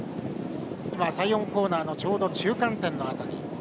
３４コーナーのちょうど中間点の辺り。